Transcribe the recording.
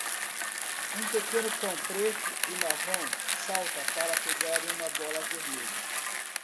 Um pequeno cão preto e marrom salta para pegar uma bola vermelha.